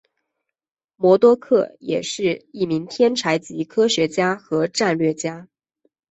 魔多客也是一名天才级科学家和战略家。